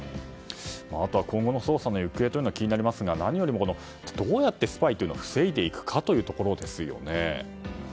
あとは今後の捜査の行方が気になりますが何よりも、どうやってスパイを防いでいくかというところですね。